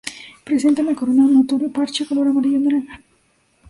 Presenta en la corona un notorio parche color amarillo naranja.